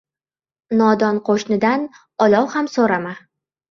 • Nodon qo‘shnidan olov ham so‘rama.